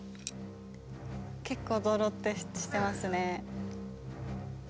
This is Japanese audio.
結構ドロッてしてますね。